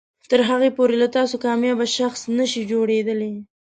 تر هغې پورې له تاسو کاميابه شخص نشي جوړیدلی